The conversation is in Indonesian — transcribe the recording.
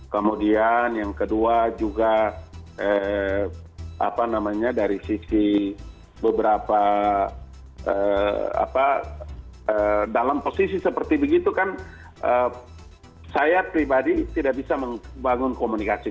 kemudian yang kedua juga apa namanya dari sisi beberapa dalam posisi seperti begitu kan saya pribadi tidak bisa membangun komunikasi